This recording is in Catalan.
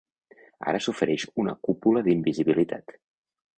Ara s'ofereix una cúpula d'invisibilitat.